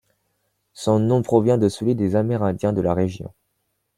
Son nom provient de celui des Amérindiens de la région.